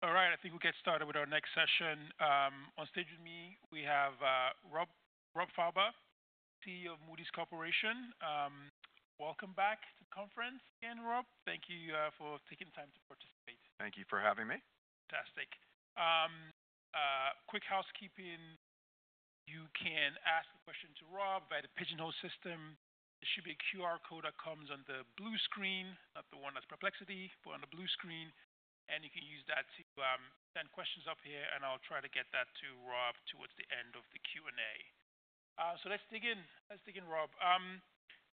All right, I think we'll get started with our next session. On stage with me, we have Rob, Rob Fauber, CEO of Moody's Corporation. Welcome back to the conference again, Rob. Thank you for taking the time to participate. Thank you for having me. Fantastic. Quick housekeeping: you can ask a question to Rob via the pigeonhole system. There should be a QR code that comes on the blue screen, not the one that's perplexity, but on the blue screen. You can use that to send questions up here, and I'll try to get that to Rob towards the end of the Q&A. Let's dig in. Let's dig in, Rob. Let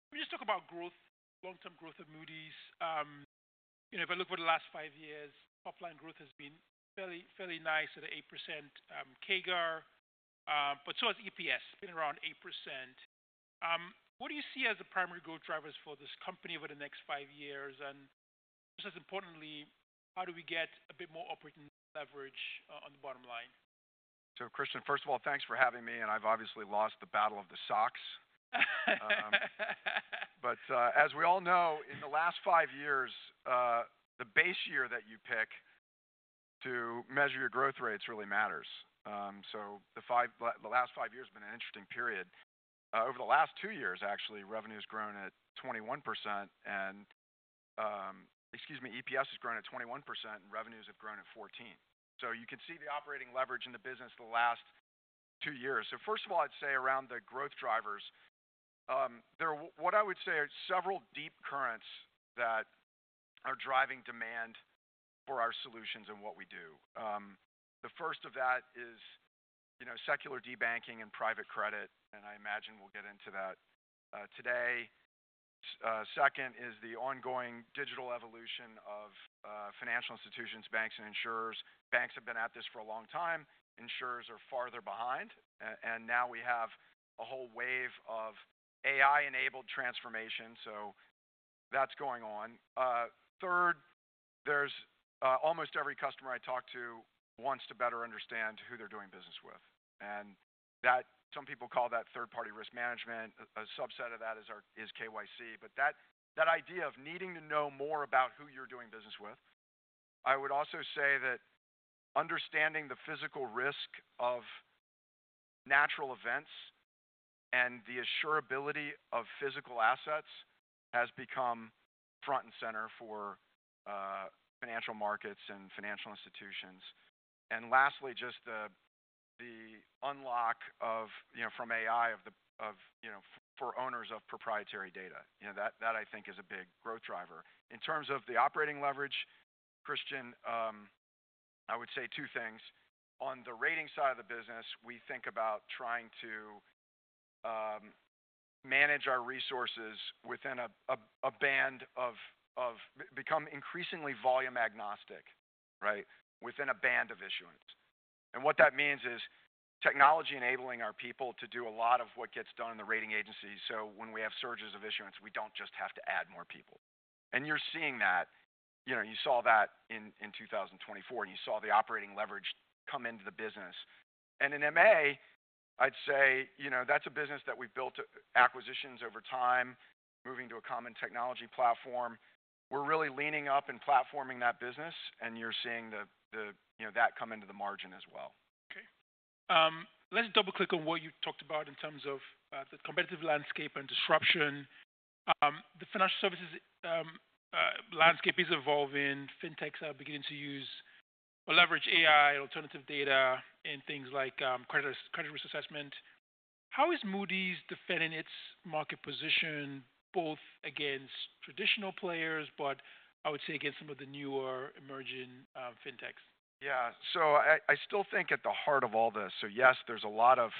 me just talk about growth, long-term growth of Moody's. You know, if I look over the last five years, top-line growth has been fairly, fairly nice at an 8% CAGR. But so has EPS, been around 8%. What do you see as the primary growth drivers for this company over the next five years? And just as importantly, how do we get a bit more operating leverage on the bottom line? Christian, first of all, thanks for having me. And I've obviously lost the battle of the socks. But, as we all know, in the last five years, the base year that you pick to measure your growth rates really matters. The last five years have been an interesting period. Over the last two years, actually, revenue has grown at 14%, and, excuse me, EPS has grown at 21%. So you can see the operating leverage in the business the last two years. First of all, I'd say around the growth drivers, there are what I would say are several deep currents that are driving demand for our solutions and what we do. The first of that is, you know, secular de-banking and private credit, and I imagine we'll get into that today. Second is the ongoing digital evolution of financial institutions, banks, and insurers. Banks have been at this for a long time. Insurers are farther behind. A-and now we have a whole wave of AI-enabled transformation, so that is going on. Third, almost every customer I talk to wants to better understand who they are doing business with. Some people call that third-party risk management. A subset of that is KYC. That idea of needing to know more about who you are doing business with, I would also say that understanding the physical risk of natural events and the insurability of physical assets has become front and center for financial markets and financial institutions. Lastly, just the unlock of, you know, from AI for owners of proprietary data. You know, that, that I think is a big growth driver. In terms of the operating leverage, Christian, I would say two things. On the rating side of the business, we think about trying to manage our resources within a band of, of become increasingly volume agnostic, right, within a band of issuance. What that means is technology enabling our people to do a lot of what gets done in the rating agency. When we have surges of issuance, we do not just have to add more people. You are seeing that. You know, you saw that in 2024, and you saw the operating leverage come into the business. In MA, I would say, you know, that is a business that we have built acquisitions over time, moving to a common technology platform. We are really leaning up and platforming that business, and you are seeing that come into the margin as well. Okay. Let's double-click on what you talked about in terms of the competitive landscape and disruption. The financial services landscape is evolving. Fintechs are beginning to use or leverage AI and alternative data in things like credit risk, credit risk assessment. How is Moody's defending its market position both against traditional players, but I would say against some of the newer emerging fintechs? Yeah. I still think at the heart of all this, yes, there's a lot of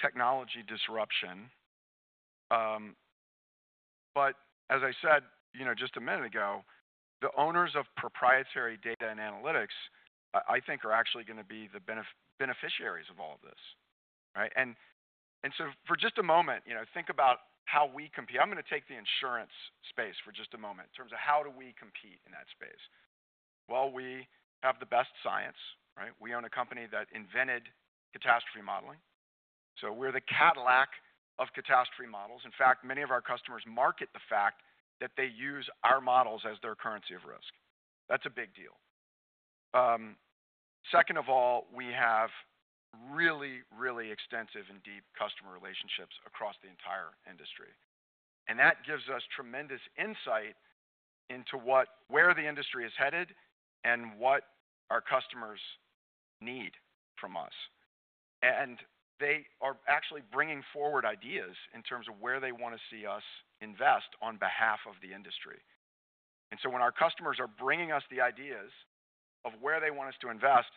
technology disruption. But as I said, you know, just a minute ago, the owners of proprietary data and analytics, I think, are actually gonna be the beneficiaries of all of this, right? And, and for just a moment, you know, think about how we compete. I'm gonna take the insurance space for just a moment in terms of how do we compete in that space. We have the best science, right? We own a company that invented catastrophe modeling. We are the Cadillac of catastrophe models. In fact, many of our customers market the fact that they use our models as their currency of risk. That's a big deal. Second of all, we have really, really extensive and deep customer relationships across the entire industry. That gives us tremendous insight into where the industry is headed and what our customers need from us. They are actually bringing forward ideas in terms of where they want to see us invest on behalf of the industry. When our customers are bringing us the ideas of where they want us to invest,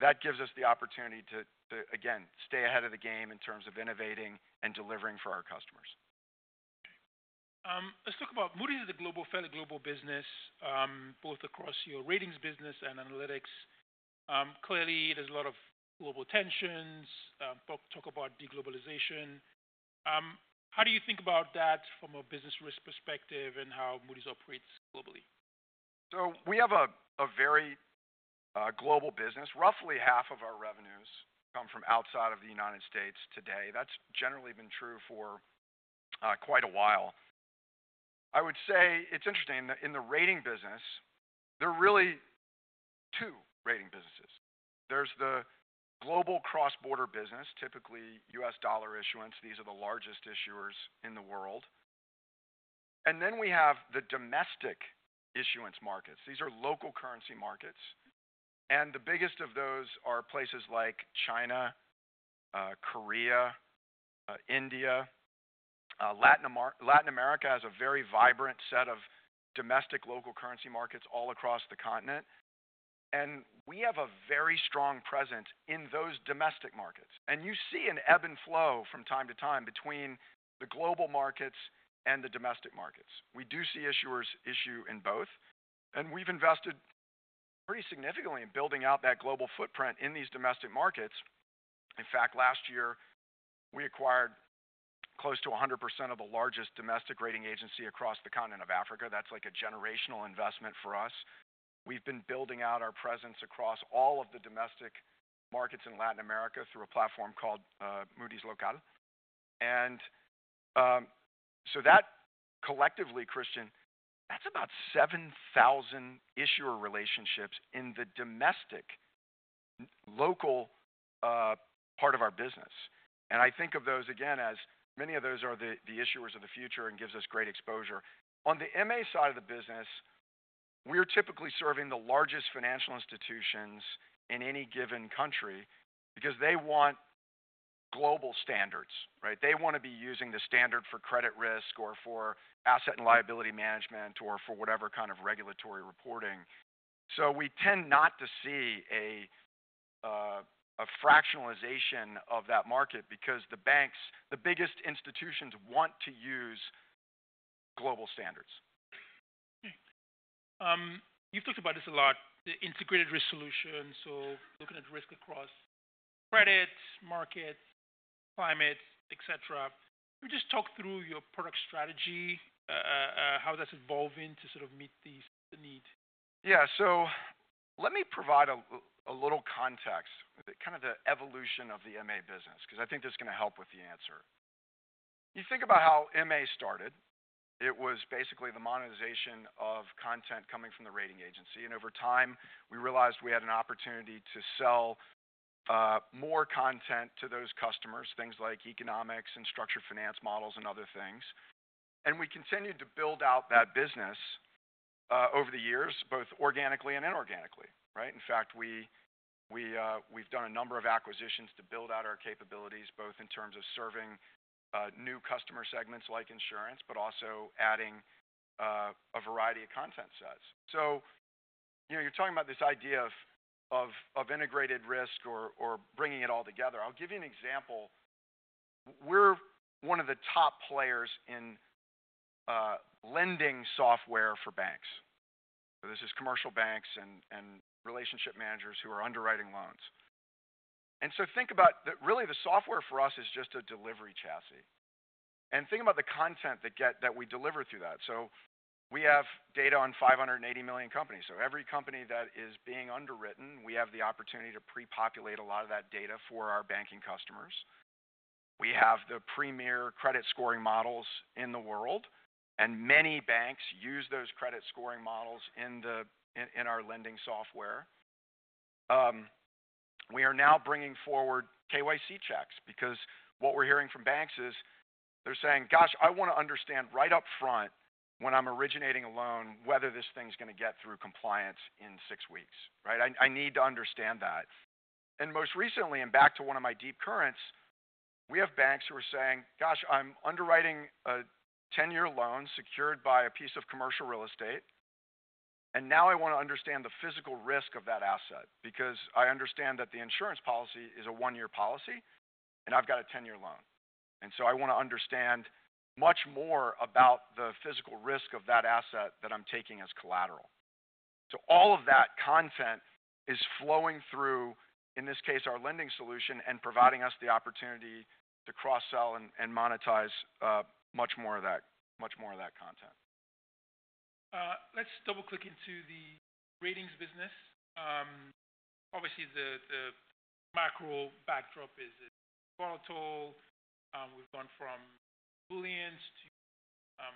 that gives us the opportunity to, again, stay ahead of the game in terms of innovating and delivering for our customers. Okay. Let's talk about Moody's as a global, fairly global business, both across your ratings business and analytics. Clearly, there's a lot of global tensions. Talk, talk about de-globalization. How do you think about that from a business risk perspective and how Moody's operates globally? We have a very global business. Roughly half of our revenues come from outside of the United States today. That's generally been true for quite a while. I would say it's interesting that in the rating business, there are really two rating businesses. There's the global cross-border business, typically U.S. dollar issuance. These are the largest issuers in the world. Then we have the domestic issuance markets. These are local currency markets. The biggest of those are places like China, Korea, India, LATAM. Latin America has a very vibrant set of domestic local currency markets all across the continent. We have a very strong presence in those domestic markets. You see an ebb and flow from time to time between the global markets and the domestic markets. We do see issuers issue in both. We have invested pretty significantly in building out that global footprint in these domestic markets. In fact, last year, we acquired close to 100% of the largest domestic rating agency across the continent of Africa. That is like a generational investment for us. We have been building out our presence across all of the domestic markets in Latin America through a platform called Moody's Local. That collectively, Christian, is about 7,000 issuer relationships in the domestic, local, part of our business. I think of those, again, as many of those are the issuers of the future and gives us great exposure. On the MA side of the business, we are typically serving the largest financial institutions in any given country because they want global standards, right? They want to be using the standard for credit risk or for asset and liability management or for whatever kind of regulatory reporting. We tend not to see a fractionalization of that market because the banks, the biggest institutions, want to use global standards. Okay. You've talked about this a lot, the integrated risk solution. So looking at risk across credits, markets, climate, etc. Could you just talk through your product strategy, how that's evolving to sort of meet these, the need? Yeah. Let me provide a little context, kind of the evolution of the MA business, 'cause I think this is gonna help with the answer. You think about how MA started. It was basically the monetization of content coming from the rating agency. Over time, we realized we had an opportunity to sell more content to those customers, things like economics and structured finance models and other things. We continued to build out that business over the years, both organically and inorganically, right? In fact, we've done a number of acquisitions to build out our capabilities, both in terms of serving new customer segments like insurance, but also adding a variety of content sets. You know, you're talking about this idea of integrated risk or bringing it all together. I'll give you an example. We're one of the top players in lending software for banks. This is commercial banks and relationship managers who are underwriting loans. Think about that, really, the software for us is just a delivery chassis. Think about the content that we deliver through that. We have data on 580 million companies. Every company that is being underwritten, we have the opportunity to pre-populate a lot of that data for our banking customers. We have the premier credit scoring models in the world, and many banks use those credit scoring models in our lending software. We are now bringing forward KYC checks because what we're hearing from banks is they're saying, "Gosh, I wanna understand right up front when I'm originating a loan whether this thing's gonna get through compliance in six weeks," right? I need to understand that. And most recently, and back to one of my deep currents, we have banks who are saying, "Gosh, I'm underwriting a 10-year loan secured by a piece of commercial real estate, and now I wanna understand the physical risk of that asset because I understand that the insurance policy is a one-year policy, and I've got a 10-year loan. And so I wanna understand much more about the physical risk of that asset that I'm taking as collateral." All of that content is flowing through, in this case, our lending solution and providing us the opportunity to cross-sell and monetize much more of that, much more of that content. Let's double-click into the ratings business. Obviously, the macro backdrop is, it's volatile. We've gone from bullions to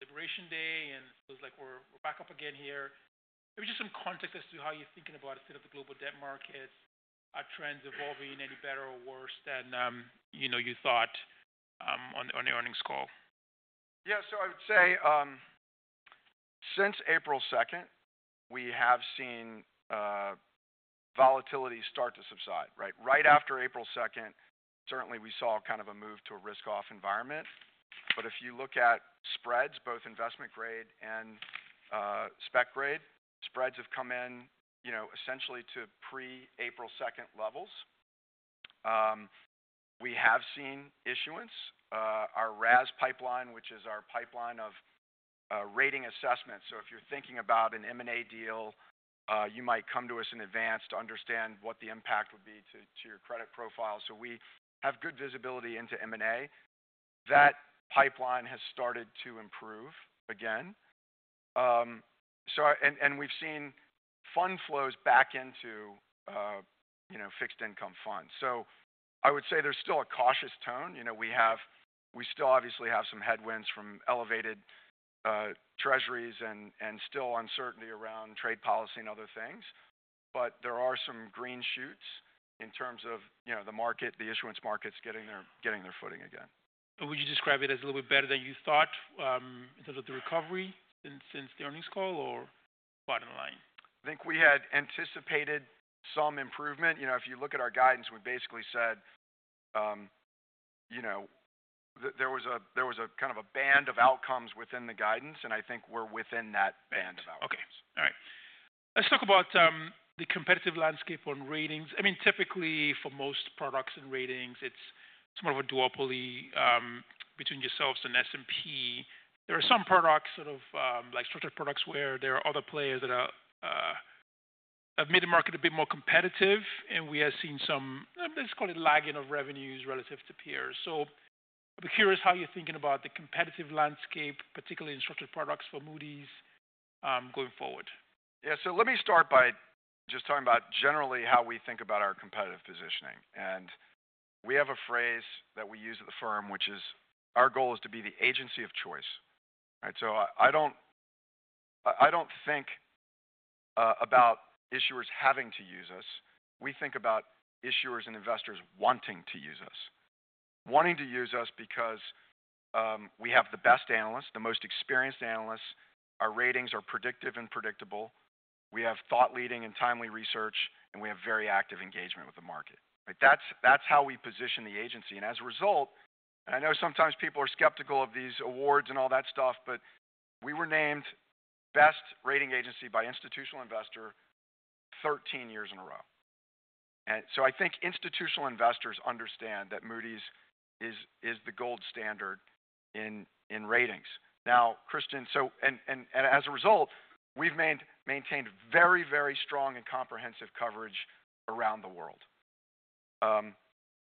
Liberation Day, and it feels like we're back up again here. Maybe just some context as to how you're thinking about a set of the global debt markets, trends evolving any better or worse than, you know, you thought, on your earnings call. Yeah. So I would say, since April 2nd, we have seen volatility start to subside, right? Right after April 2nd, certainly, we saw kind of a move to a risk-off environment. If you look at spreads, both investment grade and spec grade, spreads have come in, you know, essentially to pre-April 2nd levels. We have seen issuance. Our RAS pipeline, which is our pipeline of rating assessments. If you're thinking about an M&A deal, you might come to us in advance to understand what the impact would be to your credit profile. We have good visibility into M&A. That pipeline has started to improve again. We have seen fund flows back into, you know, fixed income funds. I would say there's still a cautious tone. You know, we still obviously have some headwinds from elevated treasuries and still uncertainty around trade policy and other things. There are some green shoots in terms of, you know, the market, the issuance markets getting their footing again. Would you describe it as a little bit better than you thought, in terms of the recovery since the earnings call or bottom line? I think we had anticipated some improvement. You know, if you look at our guidance, we basically said, you know, there was a kind of a band of outcomes within the guidance, and I think we are within that band of outcomes. Okay. All right. Let's talk about the competitive landscape on ratings. I mean, typically, for most products and ratings, it's somewhat of a duopoly, between yourselves and S&P. There are some products, sort of like structured products, where there are other players that have made the market a bit more competitive, and we have seen some, let's call it, lagging of revenues relative to peers. I'll be curious how you're thinking about the competitive landscape, particularly in structured products for Moody's, going forward. Yeah. Let me start by just talking about generally how we think about our competitive positioning. We have a phrase that we use at the firm, which is, "Our goal is to be the agency of choice," right? I do not think about issuers having to use us. We think about issuers and investors wanting to use us, wanting to use us because we have the best analysts, the most experienced analysts. Our ratings are predictive and predictable. We have thought-leading and timely research, and we have very active engagement with the market, right? That is how we position the agency. As a result, and I know sometimes people are skeptical of these awards and all that stuff, but we were named best rating agency by Institutional Investor 13 years in a row. I think institutional investors understand that Moody's is the gold standard in ratings. Now, Christian, as a result, we've maintained very, very strong and comprehensive coverage around the world.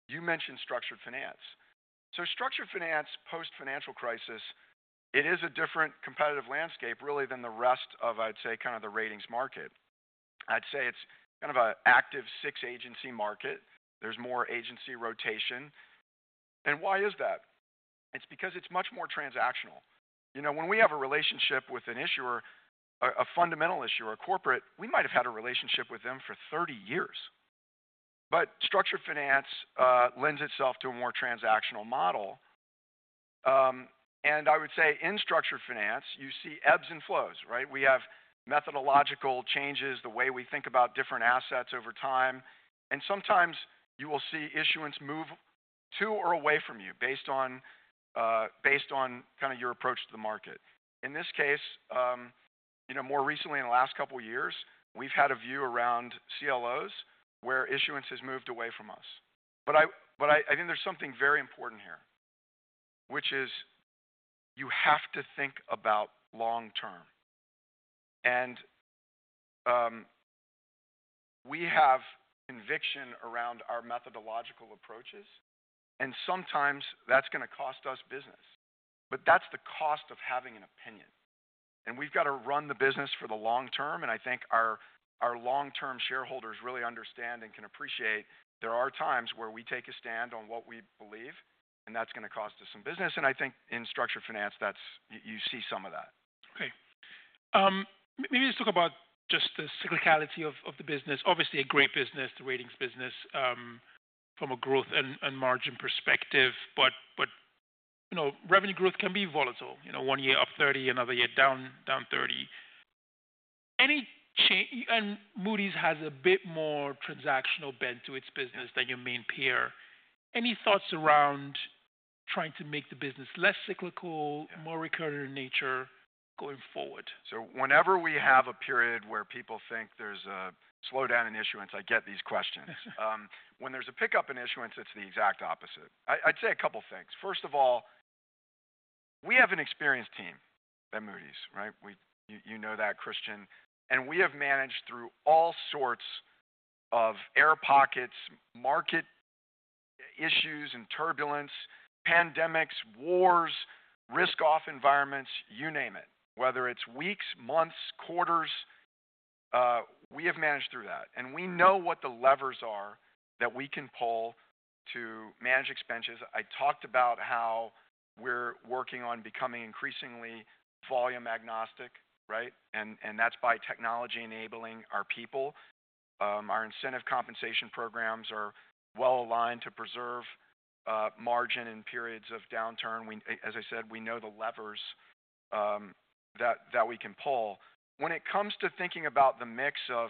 You mentioned structured finance. Structured finance post-financial crisis is a different competitive landscape really than the rest of, I'd say, kind of the ratings market. I'd say it's kind of an active six-agency market. There's more agency rotation. Why is that? It's because it's much more transactional. You know, when we have a relationship with an issuer, a fundamental issuer, a corporate, we might've had a relationship with them for 30 years. Structured finance lends itself to a more transactional model. I would say in structured finance, you see ebbs and flows, right? We have methodological changes, the way we think about different assets over time. Sometimes you will see issuance move to or away from you based on, based on kind of your approach to the market. In this case, you know, more recently, in the last couple of years, we've had a view around CLOs where issuance has moved away from us. I think there's something very important here, which is you have to think about long term. We have conviction around our methodological approaches, and sometimes that's gonna cost us business. That's the cost of having an opinion. We've gotta run the business for the long term. I think our long-term shareholders really understand and can appreciate there are times where we take a stand on what we believe, and that's gonna cost us some business. I think in structured finance, you see some of that. Okay. Maybe let's talk about just the cyclicality of the business. Obviously, a great business, the ratings business, from a growth and margin perspective. You know, revenue growth can be volatile. You know, one year up 30, another year down 30. Any change? And Moody's has a bit more transactional bent to its business than your main peer. Any thoughts around trying to make the business less cyclical, more recurring in nature going forward? Whenever we have a period where people think there is a slowdown in issuance, I get these questions. When there is a pickup in issuance, it is the exact opposite. I would say a couple of things. First of all, we have an experienced team at Moody's, right? You know that, Christian. We have managed through all sorts of air pockets, market issues and turbulence, pandemics, wars, risk-off environments, you name it, whether it is weeks, months, quarters. We have managed through that. We know what the levers are that we can pull to manage expenses. I talked about how we are working on becoming increasingly volume agnostic, right? That is by technology enabling our people. Our incentive compensation programs are well aligned to preserve margin in periods of downturn. As I said, we know the levers that we can pull. When it comes to thinking about the mix of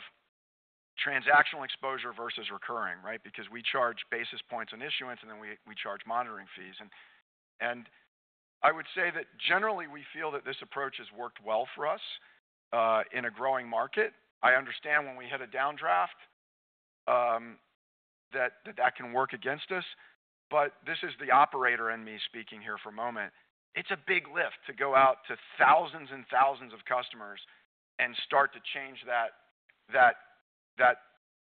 transactional exposure versus recurring, right? Because we charge basis points on issuance, and then we charge monitoring fees. I would say that generally, we feel that this approach has worked well for us, in a growing market. I understand when we hit a downdraft, that can work against us. This is the operator in me speaking here for a moment. It's a big lift to go out to thousands and thousands of customers and start to change that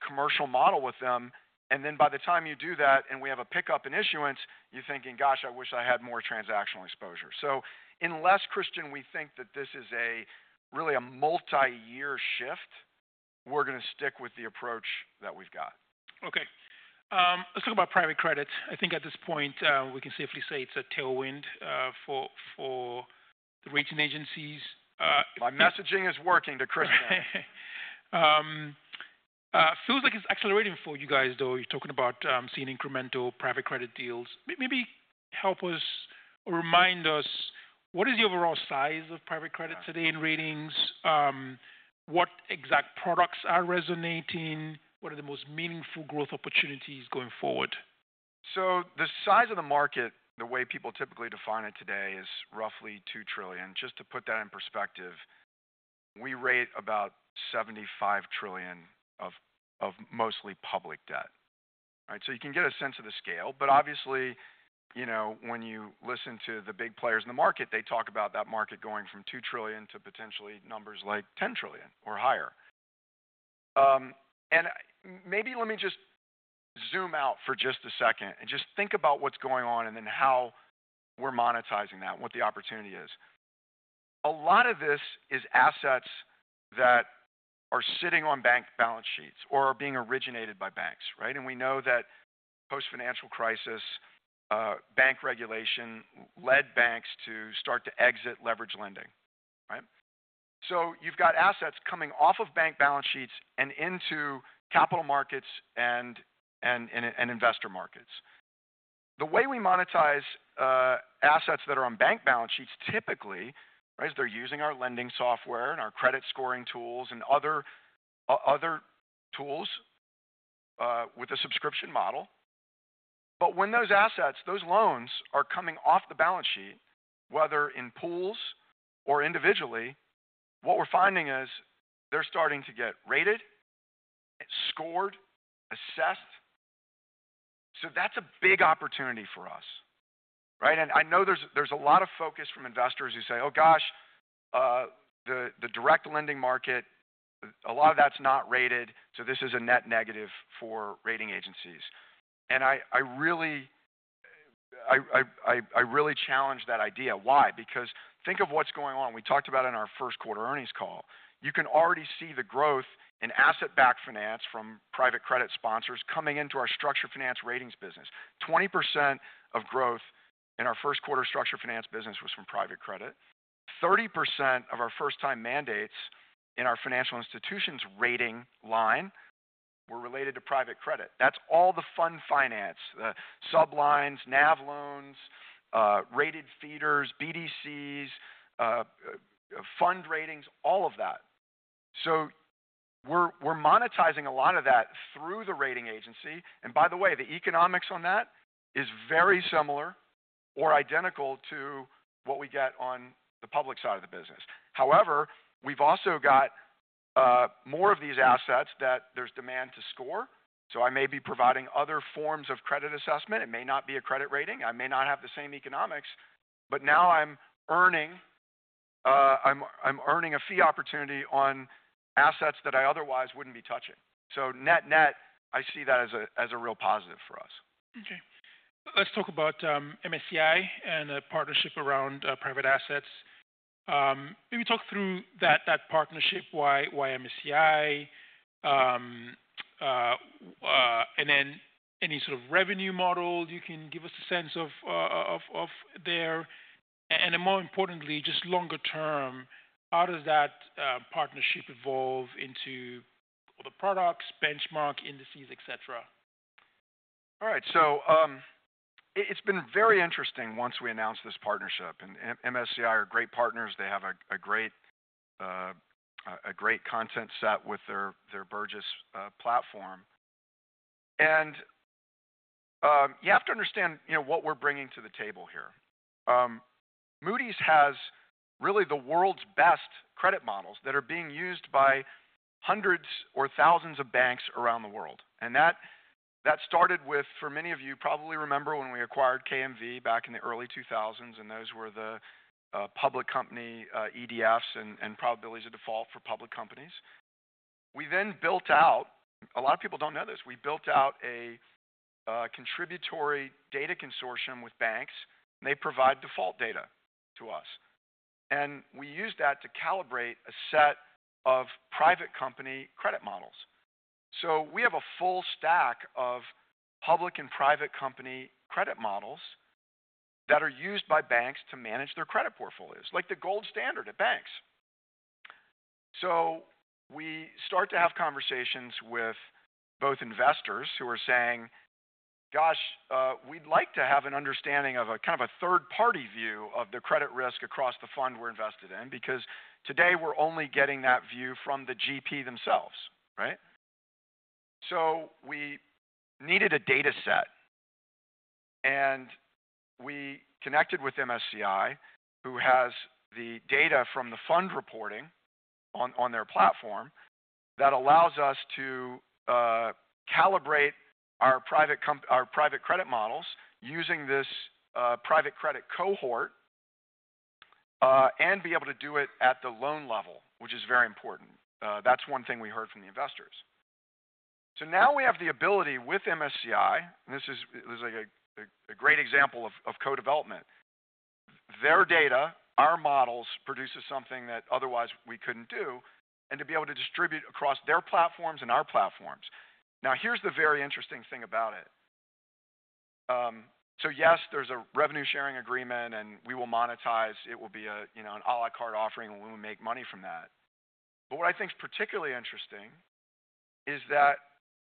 commercial model with them. By the time you do that and we have a pickup in issuance, you're thinking, "Gosh, I wish I had more transactional exposure." Unless, Christian, we think that this is really a multi-year shift, we're gonna stick with the approach that we've got. Okay. Let's talk about private credit. I think at this point, we can safely say it's a tailwind for the rating agencies. My messaging is working to Christian. feels like it's accelerating for you guys, though. You're talking about, seeing incremental private credit deals. Maybe help us or remind us, what is the overall size of private credit today in ratings? What exact products are resonating? What are the most meaningful growth opportunities going forward? The size of the market, the way people typically define it today, is roughly $2 trillion. Just to put that in perspective, we rate about $75 trillion of mostly public debt, right? You can get a sense of the scale. Obviously, you know, when you listen to the big players in the market, they talk about that market going from $2 trillion to potentially numbers like $10 trillion or higher. Maybe let me just zoom out for a second and think about what's going on and then how we're monetizing that and what the opportunity is. A lot of this is assets that are sitting on bank balance sheets or are being originated by banks, right? We know that post-financial crisis, bank regulation led banks to start to exit leveraged lending, right? You have got assets coming off of bank balance sheets and into capital markets and investor markets. The way we monetize assets that are on bank balance sheets typically, right, is they are using our lending software and our credit scoring tools and other tools, with a subscription model. When those assets, those loans are coming off the balance sheet, whether in pools or individually, what we are finding is they are starting to get rated, scored, assessed. That is a big opportunity for us, right? I know there is a lot of focus from investors who say, "Oh gosh, the direct lending market, a lot of that is not rated. This is a net negative for rating agencies." I really challenge that idea. Why? Because think of what is going on. We talked about it in our first quarter earnings call. You can already see the growth in asset-backed finance from private credit sponsors coming into our structured finance ratings business. 20% of growth in our first quarter structured finance business was from private credit. 30% of our first-time mandates in our financial institutions rating line were related to private credit. That is all the fund finance, the sublines, nav loans, rated feeders, BDCs, fund ratings, all of that. We are monetizing a lot of that through the rating agency. By the way, the economics on that is very similar or identical to what we get on the public side of the business. However, we have also got more of these assets that there is demand to score. I may be providing other forms of credit assessment. It may not be a credit rating. I may not have the same economics, but now I'm earning a fee opportunity on assets that I otherwise wouldn't be touching. Net-net, I see that as a real positive for us. Okay. Let's talk about MSCI and the partnership around private assets. Maybe talk through that partnership, why MSCI, and then any sort of revenue model you can give us a sense of there. And more importantly, just longer term, how does that partnership evolve into other products, benchmark indices, etc.? All right. It's been very interesting once we announced this partnership. MSCI are great partners. They have a great content set with their Burgiss platform. You have to understand, you know, what we're bringing to the table here. Moody's has really the world's best credit models that are being used by hundreds or thousands of banks around the world. That started with, for many of you probably remember when we acquired KMV back in the early 2000s, and those were the public company EDFs and probabilities of default for public companies. We then built out, a lot of people do not know this, we built out a contributory data consortium with banks, and they provide default data to us. We used that to calibrate a set of private company credit models. We have a full stack of public and private company credit models that are used by banks to manage their credit portfolios, like the gold standard at banks. We start to have conversations with both investors who are saying, "Gosh, we'd like to have an understanding of a kind of a third-party view of the credit risk across the fund we're invested in," because today we're only getting that view from the GP themselves, right? We needed a data set, and we connected with MSCI, who has the data from the fund reporting on their platform that allows us to calibrate our private credit models using this private credit cohort, and be able to do it at the loan level, which is very important. That's one thing we heard from the investors. Now we have the ability with MSCI, and this is like a great example of co-development. Their data, our models produce something that otherwise we could not do, and to be able to distribute across their platforms and our platforms. Now, here is the very interesting thing about it. Yes, there is a revenue sharing agreement, and we will monetize. It will be a, you know, an à la carte offering, and we will make money from that. What I think is particularly interesting is that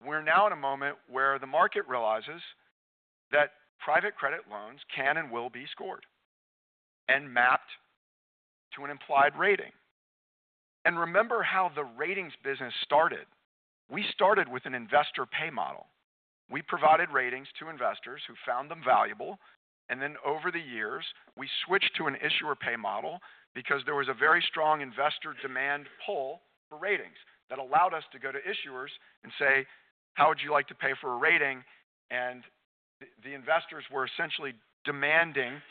we are now at a moment where the market realizes that private credit loans can and will be scored and mapped to an implied rating. Remember how the ratings business started. We started with an investor pay model. We provided ratings to investors who found them valuable. Over the years, we switched to an issuer pay model because there was a very strong investor demand pull for ratings that allowed us to go to issuers and say, "How would you like to pay for a rating?" The investors were essentially demanding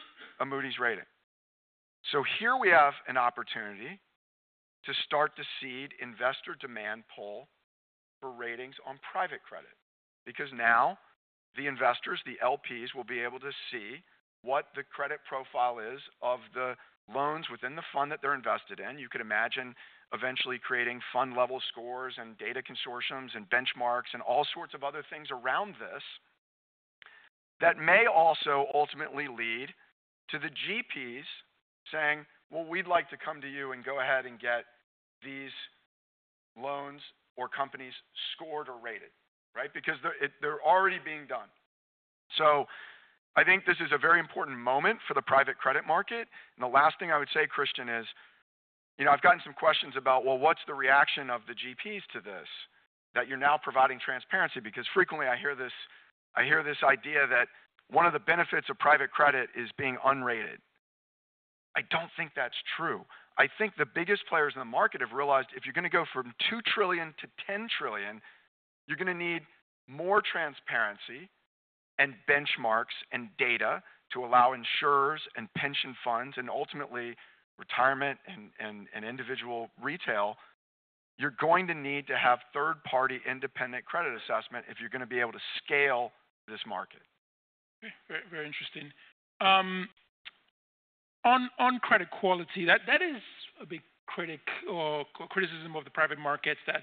a Moody's rating. Here we have an opportunity to start to seed investor demand pull for ratings on private credit because now the investors, the LPs, will be able to see what the credit profile is of the loans within the fund that they're invested in. You could imagine eventually creating fund-level scores and data consortiums and benchmarks and all sorts of other things around this that may also ultimately lead to the GPs saying, "We'd like to come to you and go ahead and get these loans or companies scored or rated," right? Because they're already being done. I think this is a very important moment for the private credit market. The last thing I would say, Christian, is, you know, I've gotten some questions about, "Well, what's the reaction of the GPs to this that you're now providing transparency?" Because frequently I hear this, I hear this idea that one of the benefits of private credit is being unrated. I don't think that's true. I think the biggest players in the market have realized if you're gonna go from $2 trillion-$10 trillion, you're gonna need more transparency and benchmarks and data to allow insurers and pension funds and ultimately retirement and, and, and individual retail. You're going to need to have third-party independent credit assessment if you're gonna be able to scale this market. Very, very interesting. On credit quality, that is a big critic or criticism of the private markets that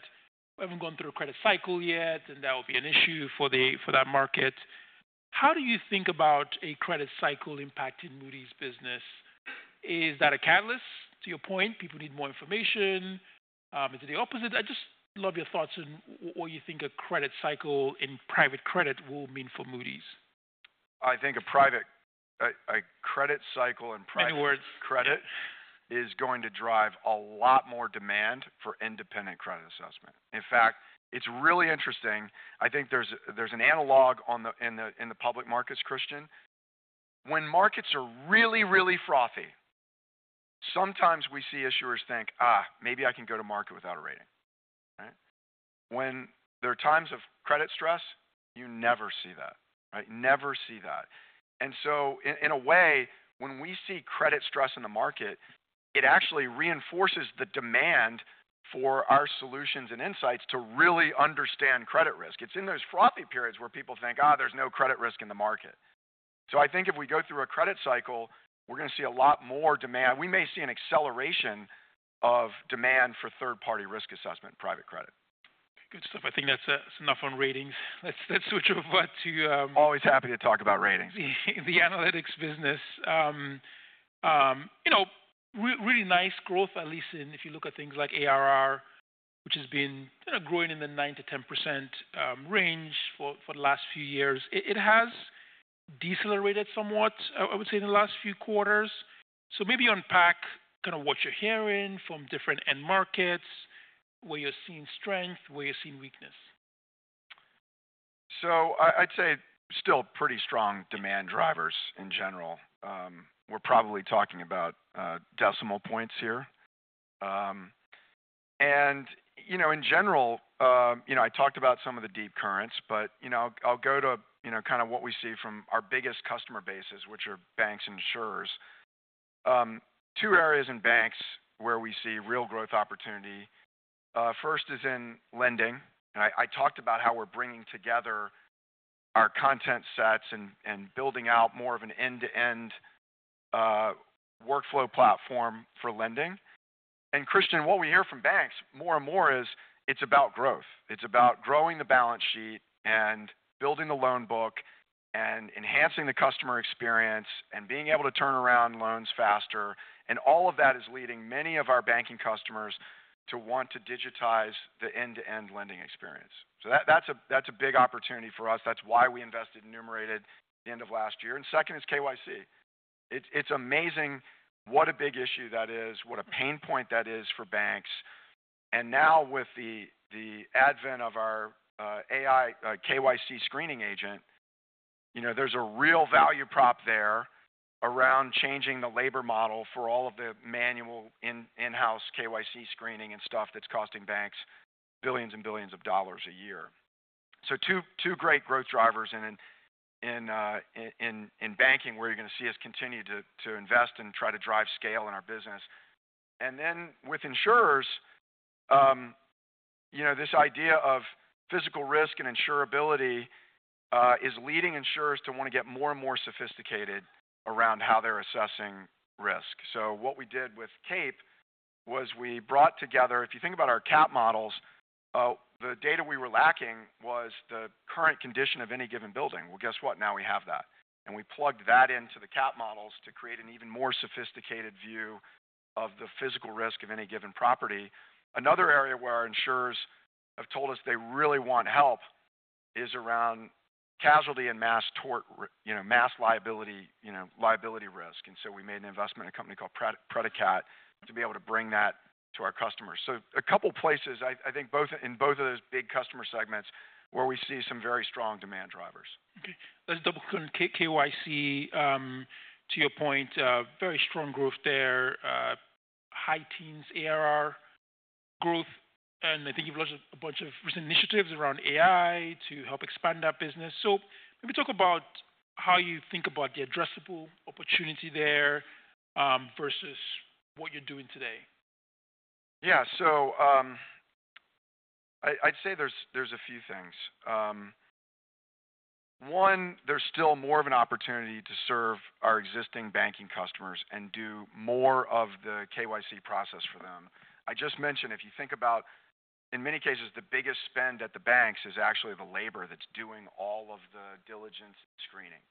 we have not gone through a credit cycle yet, and that will be an issue for that market. How do you think about a credit cycle impacting Moody's business? Is that a catalyst to your point? People need more information. Is it the opposite? I just love your thoughts on what you think a credit cycle in private credit will mean for Moody's. I think a credit cycle in private credit is going to drive a lot more demand for independent credit assessment. In fact, it's really interesting. I think there's an analog in the public markets, Christian. When markets are really, really frothy, sometimes we see issuers think, "Maybe I can go to market without a rating," right? When there are times of credit stress, you never see that, right? Never see that. In a way, when we see credit stress in the market, it actually reinforces the demand for our solutions and insights to really understand credit risk. It's in those frothy periods where people think, "There's no credit risk in the market." I think if we go through a credit cycle, we're gonna see a lot more demand. We may see an acceleration of demand for third-party risk assessment in private credit. Good stuff. I think that's, it's enough on ratings. Let's, let's switch over to, Always happy to talk about ratings. The analytics business, you know, really nice growth, at least in, if you look at things like ARR, which has been, you know, growing in the 9%-10% range for, for the last few years. It, it has decelerated somewhat, I would say, in the last few quarters. Maybe unpack kind of what you're hearing from different end markets, where you're seeing strength, where you're seeing weakness. I'd say still pretty strong demand drivers in general. We're probably talking about decimal points here. And, you know, in general, I talked about some of the deep currents, but, you know, I'll go to, you know, kind of what we see from our biggest customer bases, which are banks and insurers. Two areas in banks where we see real growth opportunity. First is in lending. And I talked about how we're bringing together our content sets and building out more of an end-to-end workflow platform for lending. Christian, what we hear from banks more and more is it's about growth. It's about growing the balance sheet and building the loan book and enhancing the customer experience and being able to turn around loans faster. All of that is leading many of our banking customers to want to digitize the end-to-end lending experience. That is a big opportunity for us. That is why we invested in Numerated at the end of last year. Second is KYC. It is amazing what a big issue that is, what a pain point that is for banks. Now with the advent of our AI KYC screening agent, you know, there is a real value prop there around changing the labor model for all of the manual in-house KYC screening and stuff that is costing banks billions and billions of dollars a year. Two great growth drivers in banking where you are going to see us continue to invest and try to drive scale in our business. And then with insurers, you know, this idea of physical risk and insurability is leading insurers to wanna get more and more sophisticated around how they're assessing risk. What we did with KAPE was we brought together, if you think about our CAP models, the data we were lacking was the current condition of any given building. Guess what? Now we have that. We plugged that into the CAP models to create an even more sophisticated view of the physical risk of any given property. Another area where our insurers have told us they really want help is around casualty and mass tort, you know, mass liability, you know, liability risk. We made an investment in a company called Predacat to be able to bring that to our customers. A couple places, I think in both of those big customer segments where we see some very strong demand drivers. Okay. Let's double KYC, to your point, very strong growth there, high teens ARR growth. I think you've launched a bunch of recent initiatives around AI to help expand that business. Maybe talk about how you think about the addressable opportunity there, versus what you're doing today. Yeah. I'd say there's a few things. One, there's still more of an opportunity to serve our existing banking customers and do more of the KYC process for them. I just mentioned, if you think about, in many cases, the biggest spend at the banks is actually the labor that's doing all of the diligence and screening.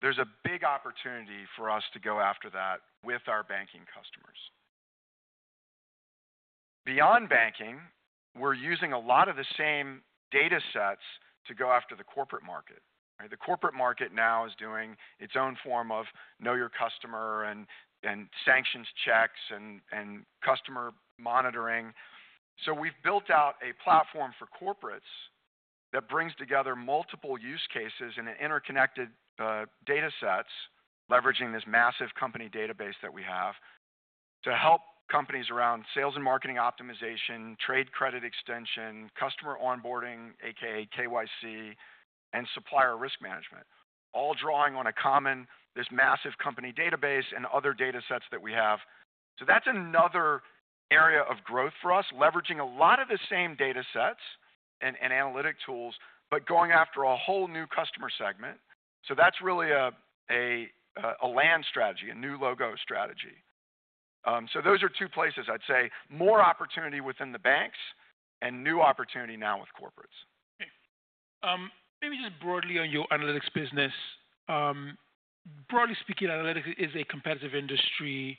There's a big opportunity for us to go after that with our banking customers. Beyond banking, we're using a lot of the same data sets to go after the corporate market, right? The corporate market now is doing its own form of know your customer and sanctions checks and customer monitoring. We've built out a platform for corporates that brings together multiple use cases and interconnected data sets, leveraging this massive company database that we have to help companies around sales and marketing optimization, trade credit extension, customer onboarding, AKA KYC, and supplier risk management, all drawing on a common, this massive company database and other data sets that we have. That's another area of growth for us, leveraging a lot of the same data sets and analytic tools, but going after a whole new customer segment. That's really a land strategy, a new logo strategy. Those are two places I'd say more opportunity within the banks and new opportunity now with corporates. Okay. Maybe just broadly on your analytics business. Broadly speaking, analytics is a competitive industry.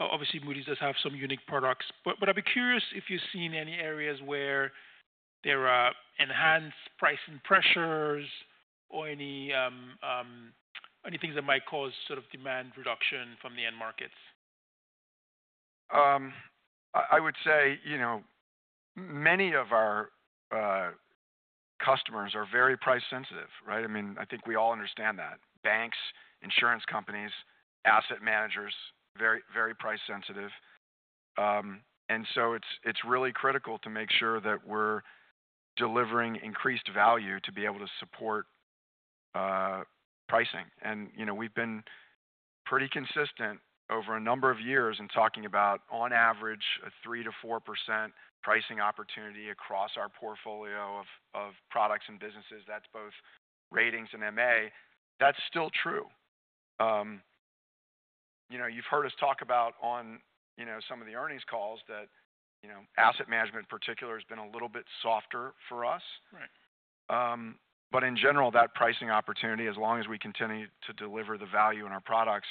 Obviously, Moody's does have some unique products, but I'd be curious if you've seen any areas where there are enhanced pricing pressures or any things that might cause sort of demand reduction from the end markets. I would say, you know, many of our customers are very price sensitive, right? I mean, I think we all understand that. Banks, insurance companies, asset managers, very, very price sensitive. It is really critical to make sure that we are delivering increased value to be able to support pricing. You know, we have been pretty consistent over a number of years in talking about, on average, a 3%-4% pricing opportunity across our portfolio of products and businesses. That is both ratings and MA. That is still true. You know, you have heard us talk about on, you know, some of the earnings calls that, you know, asset management in particular has been a little bit softer for us. Right. In general, that pricing opportunity, as long as we continue to deliver the value in our products,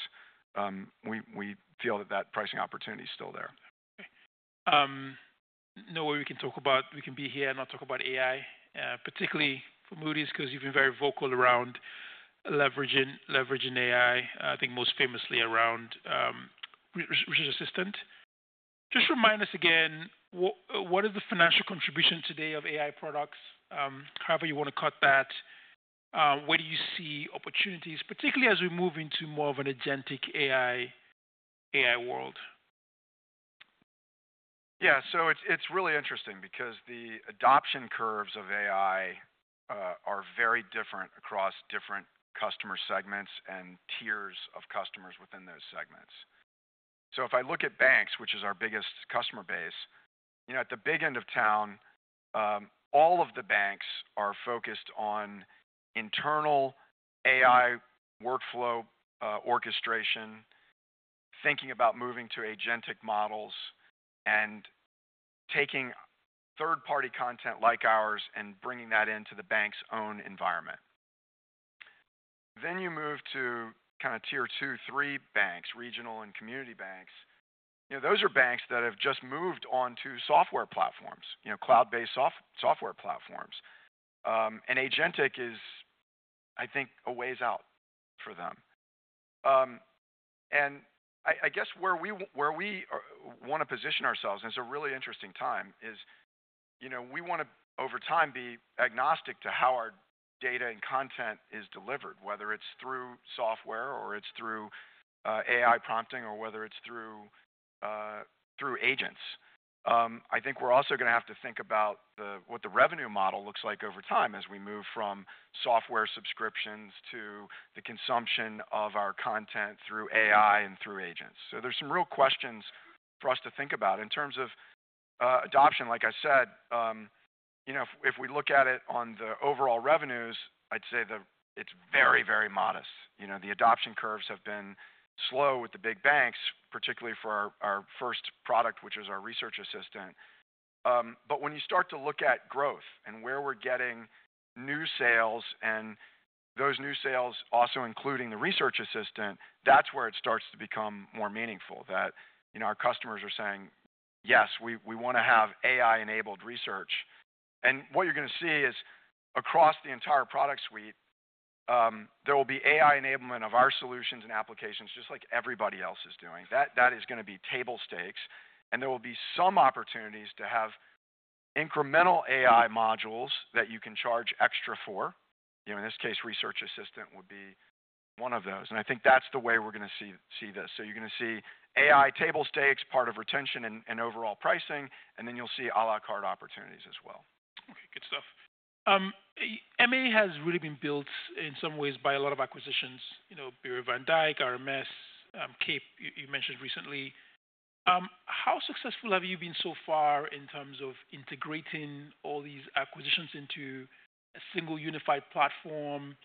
we feel that that pricing opportunity is still there. Okay. No way we can talk about, we can be here and not talk about AI, particularly for Moody's 'cause you've been very vocal around leveraging, leveraging AI, I think most famously around Research Assistant. Just remind us again, what is the financial contribution today of AI products? However you wanna cut that, where do you see opportunities, particularly as we move into more of an agentic AI, AI world? Yeah. So it's really interesting because the adoption curves of AI are very different across different customer segments and tiers of customers within those segments. If I look at banks, which is our biggest customer base, you know, at the big end of town, all of the banks are focused on internal AI workflow orchestration, thinking about moving to agentic models and taking third-party content like ours and bringing that into the bank's own environment. You move to kind of tier two, three banks, regional and community banks, you know, those are banks that have just moved onto software platforms, you know, cloud-based software platforms. Agentic is, I think, a ways out for them. I guess where we wanna position ourselves is a really interesting time. You know, we wanna over time be agnostic to how our data and content is delivered, whether it's through software or it's through AI prompting or whether it's through agents. I think we're also gonna have to think about what the revenue model looks like over time as we move from software subscriptions to the consumption of our content through AI and through agents. There are some real questions for us to think about in terms of adoption. Like I said, you know, if we look at it on the overall revenues, I'd say it's very, very modest. You know, the adoption curves have been slow with the big banks, particularly for our first product, which is our Research Assistant. When you start to look at growth and where we're getting new sales and those new sales also including the Research Assistant, that's where it starts to become more meaningful that, you know, our customers are saying, yes, we wanna have AI-enabled research. What you're gonna see is across the entire product suite, there will be AI enablement of our solutions and applications just like everybody else is doing. That is gonna be table stakes. There will be some opportunities to have incremental AI modules that you can charge extra for. In this case, Research Assistant would be one of those. I think that's the way we're gonna see this. You're gonna see AI table stakes, part of retention and overall pricing, and then you'll see à la carte opportunities as well. Okay. Good stuff. MA has really been built in some ways by a lot of acquisitions, you know, Bureau van Dijk, RMS, KAPE, you mentioned recently. How successful have you been so far in terms of integrating all these acquisitions into a single unified platform?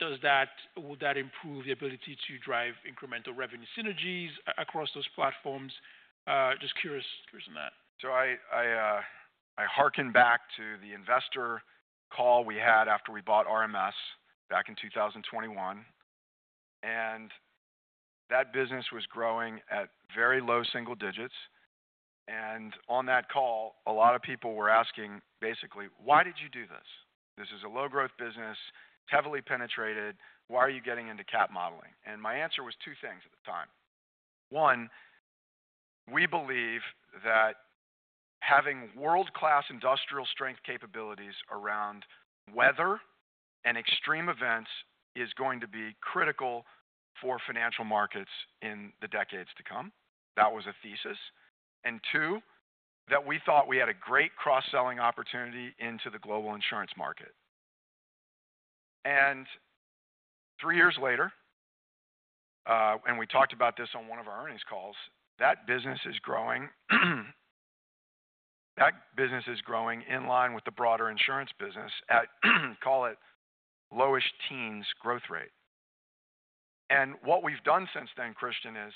Does that, would that improve the ability to drive incremental revenue synergies across those platforms? Just curious, curious on that. I hearken back to the investor call we had after we bought RMS back in 2021. That business was growing at very low single digits. On that call, a lot of people were asking basically, why did you do this? This is a low-growth business, heavily penetrated. Why are you getting into CAP modeling? My answer was two things at the time. One, we believe that having world-class industrial strength capabilities around weather and extreme events is going to be critical for financial markets in the decades to come. That was a thesis. Two, that we thought we had a great cross-selling opportunity into the global insurance market. Three years later, and we talked about this on one of our earnings calls, that business is growing, that business is growing in line with the broader insurance business at, call it, lowish teens growth rate. What we have done since then, Christian, is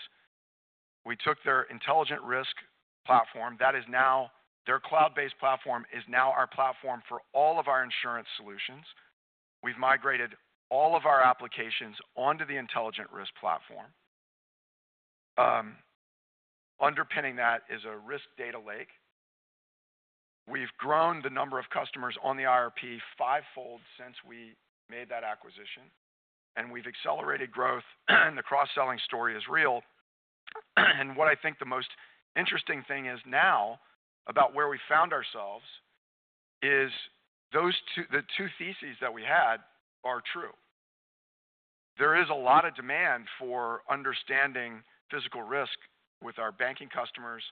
we took their Intelligent Risk Platform that is now, their cloud-based platform is now our platform for all of our insurance solutions. We have migrated all of our applications onto the Intelligent Risk Platform. Underpinning that is a risk data lake. We have grown the number of customers on the IRP fivefold since we made that acquisition. We have accelerated growth and the cross-selling story is real. What I think the most interesting thing is now about where we found ourselves is those two, the two theses that we had are true. There is a lot of demand for understanding physical risk with our banking customers,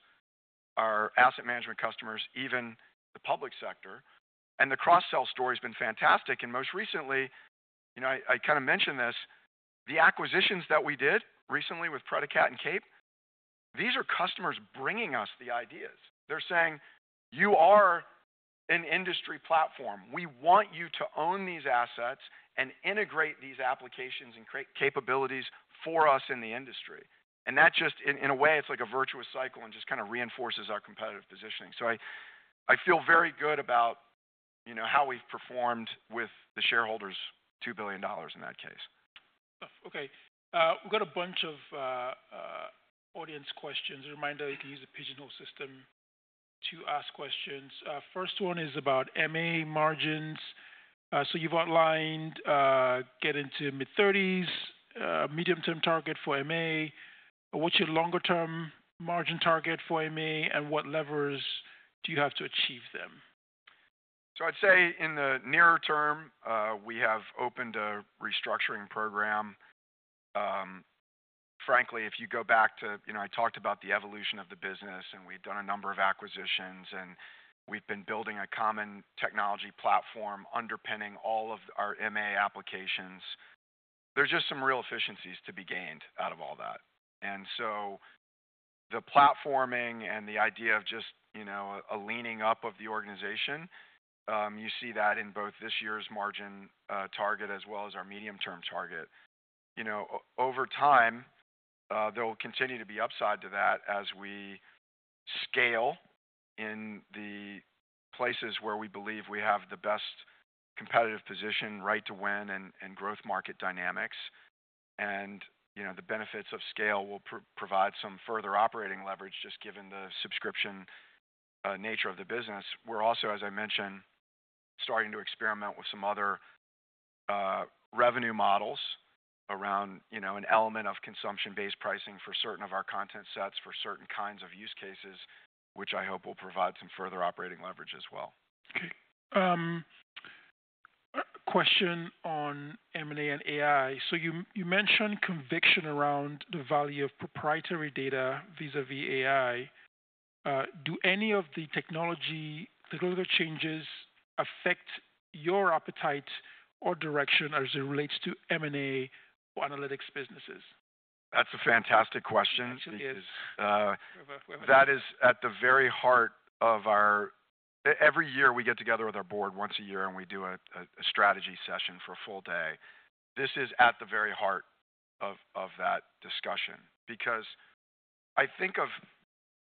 our asset management customers, even the public sector. The cross-sell story has been fantastic. Most recently, you know, I kind of mentioned this, the acquisitions that we did recently with Predacat and KAPE, these are customers bringing us the ideas. They're saying, you are an industry platform. We want you to own these assets and integrate these applications and create capabilities for us in the industry. That just, in a way, it's like a virtuous cycle and just kind of reinforces our competitive positioning. I feel very good about, you know, how we've performed with the shareholders' $2 billion in that case. Stuff. Okay. We've got a bunch of audience questions. A reminder, you can use the pigeonhole system to ask questions. First one is about MA margins. So you've outlined getting to mid-thirties, medium-term target for MA. What's your longer-term margin target for MA and what levers do you have to achieve them? I'd say in the nearer term, we have opened a restructuring program. Frankly, if you go back to, you know, I talked about the evolution of the business and we've done a number of acquisitions and we've been building a common technology platform underpinning all of our MA applications. There's just some real efficiencies to be gained out of all that. The platforming and the idea of just, you know, a leaning up of the organization, you see that in both this year's margin target as well as our medium-term target. You know, over time, there'll continue to be upside to that as we scale in the places where we believe we have the best competitive position, right to win and growth market dynamics. You know, the benefits of scale will provide some further operating leverage just given the subscription nature of the business. We're also, as I mentioned, starting to experiment with some other revenue models around, you know, an element of consumption-based pricing for certain of our content sets for certain kinds of use cases, which I hope will provide some further operating leverage as well. Okay. Question on M&A and AI. So you mentioned conviction around the value of proprietary data vis-à-vis AI. Do any of the technology, the changes affect your appetite or direction as it relates to M&A or analytics businesses? That's a fantastic question. Absolutely. This is at the very heart of our, every year we get together with our board once a year and we do a strategy session for a full day. This is at the very heart of that discussion because I think of,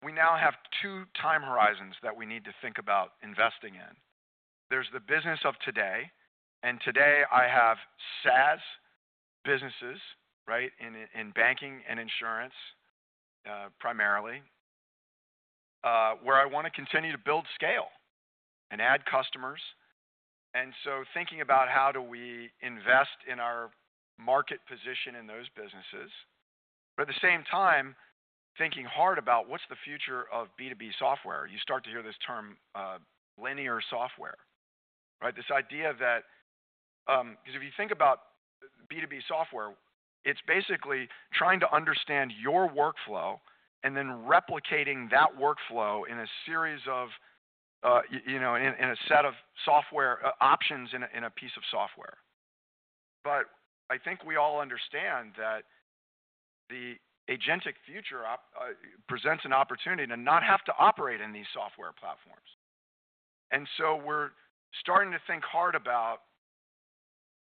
we now have two time horizons that we need to think about investing in. There's the business of today, and today I have SaaS businesses, right, in banking and insurance, primarily, where I wanna continue to build scale and add customers. Thinking about how do we invest in our market position in those businesses, but at the same time thinking hard about what's the future of B2B software. You start to hear this term, linear software, right? This idea that, 'cause if you think about B2B software, it's basically trying to understand your workflow and then replicating that workflow in a series of, you know, in a set of software options in a piece of software. I think we all understand that the agentic future presents an opportunity to not have to operate in these software platforms. We are starting to think hard about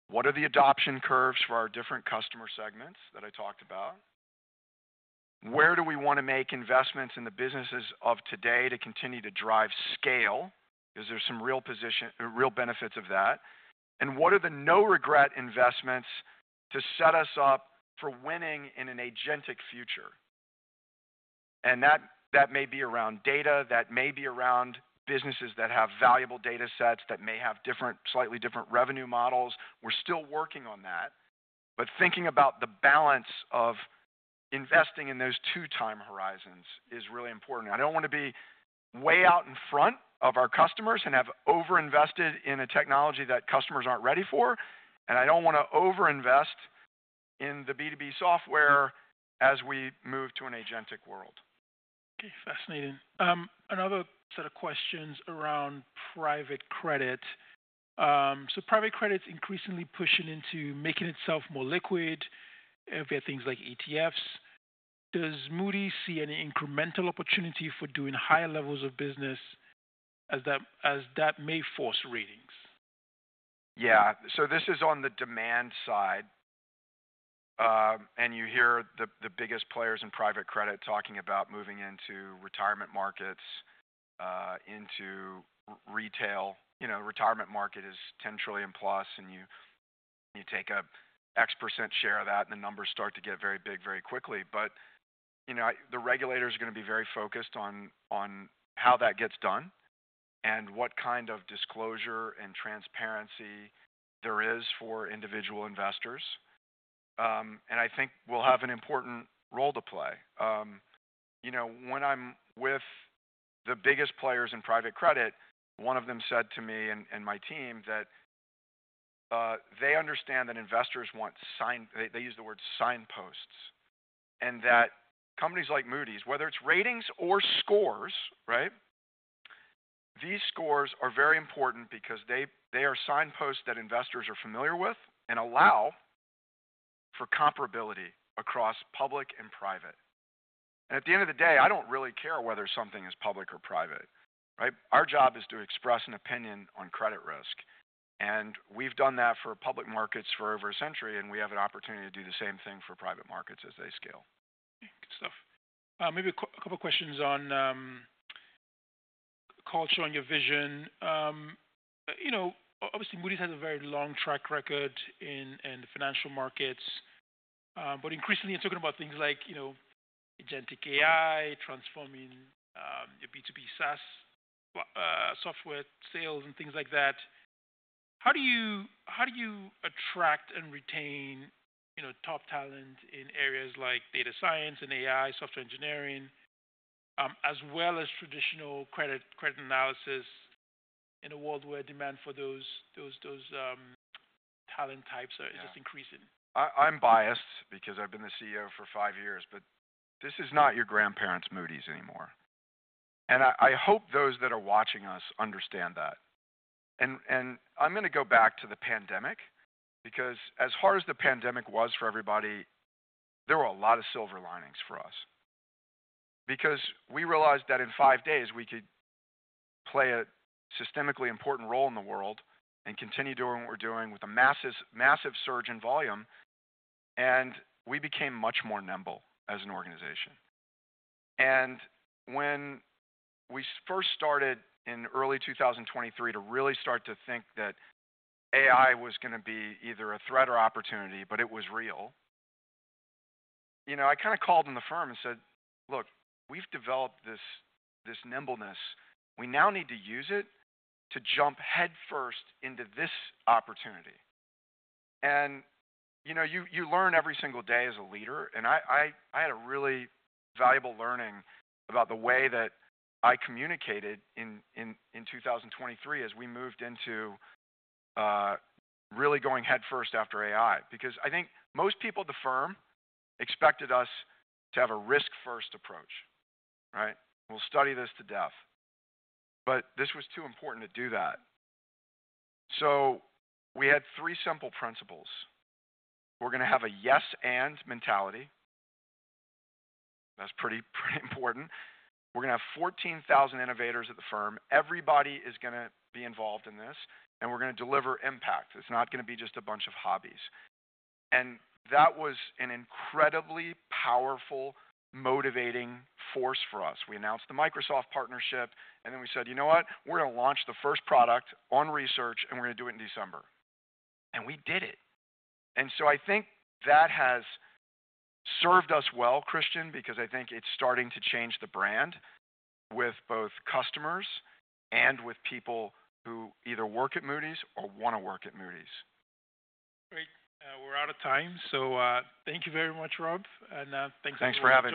what are the adoption curves for our different customer segments that I talked about. Where do we want to make investments in the businesses of today to continue to drive scale? 'Cause there are some real position, real benefits of that. What are the no-regret investments to set us up for winning in an agentic future? That may be around data, that may be around businesses that have valuable data sets that may have different, slightly different revenue models. We're still working on that, but thinking about the balance of investing in those two time horizons is really important. I don't wanna be way out in front of our customers and have over-invested in a technology that customers aren't ready for. I don't wanna over-invest in the B2B software as we move to an agentic world. Okay. Fascinating. Another set of questions around private credit. So private credit's increasingly pushing into making itself more liquid via things like ETFs. Does Moody's see any incremental opportunity for doing higher levels of business as that, as that may force ratings? Yeah. This is on the demand side, and you hear the biggest players in private credit talking about moving into retirement markets, into retail. You know, the retirement market is $10 trillion plus, and you take a X% share of that and the numbers start to get very big very quickly. You know, the regulator's gonna be very focused on how that gets done and what kind of disclosure and transparency there is for individual investors. I think we'll have an important role to play. you know, when I'm with the biggest players in private credit, one of them said to me and my team that they understand that investors want sign, they, they use the word signposts and that companies like Moody's, whether it's ratings or scores, right, these scores are very important because they, they are signposts that investors are familiar with and allow for comparability across public and private. At the end of the day, I don't really care whether something is public or private, right? Our job is to express an opinion on credit risk. We've done that for public markets for over a century, and we have an opportunity to do the same thing for private markets as they scale. Good stuff. Maybe a couple of questions on culture and your vision. You know, obviously Moody's has a very long track record in the financial markets. But increasingly you're talking about things like, you know, agentic AI transforming your B2B SaaS software sales and things like that. How do you attract and retain, you know, top talent in areas like data science and AI, software engineering, as well as traditional credit analysis in a world where demand for those talent types are just increasing? Yeah. I'm biased because I've been the CEO for five years, but this is not your grandparents' Moody's anymore. I hope those that are watching us understand that. I'm gonna go back to the pandemic because as hard as the pandemic was for everybody, there were a lot of silver linings for us because we realized that in five days we could play a systemically important role in the world and continue doing what we're doing with a massive, massive surge in volume. We became much more nimble as an organization. When we first started in early 2023 to really start to think that AI was gonna be either a threat or opportunity, but it was real, you know, I kind of called in the firm and said, look, we've developed this, this nimbleness. We now need to use it to jump headfirst into this opportunity. You know, you learn every single day as a leader. I had a really valuable learning about the way that I communicated in 2023 as we moved into really going headfirst after AI because I think most people at the firm expected us to have a risk-first approach, right? We'll study this to death, but this was too important to do that. We had three simple principles. We're gonna have a yes-and mentality. That's pretty important. We're gonna have 14,000 innovators at the firm. Everybody is gonna be involved in this, and we're gonna deliver impact. It's not gonna be just a bunch of hobbies. That was an incredibly powerful, motivating force for us. We announced the Microsoft partnership, and then we said, you know what, we're gonna launch the first product on research, and we're gonna do it in December. And we did it. I think that has served us well, Christian, because I think it's starting to change the brand with both customers and with people who either work at Moody's or wanna work at Moody's. Great. We're out of time. Thank you very much, Rob. Thanks for. Thanks for having me.